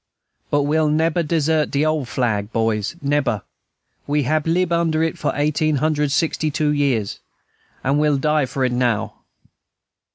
"But we'll neber desert de ole flag, boys, neber; we hab lib under it for eighteen hundred sixty two years, and we'll die for it now."